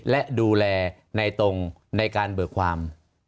และดูแลในตรงในการเบิกความ